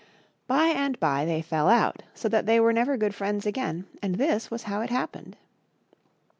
By and by they fell out, so that they were never good friends again, and this was how it happened.